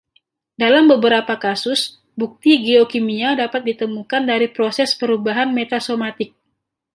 Dalam beberapa kasus, bukti geokimia dapat ditemukan dari proses perubahan metasomatik.